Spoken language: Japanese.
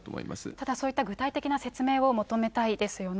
ただ、そういった具体的な説明を求めたいですよね。